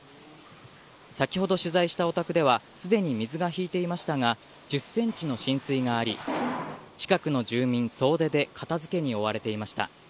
先ほど取材したお宅では、すでに水が引いていましたが、１０センチの浸水があり、近くの住民総出で片づけに追われていました。